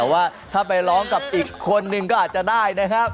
แต่ว่าถ้าไปร้องกับอีกคนนึงก็อาจจะได้นะครับ